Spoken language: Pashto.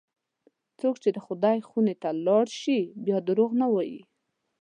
څوک چې د خدای خونې ته ولاړ شي، بیا دروغ نه وایي.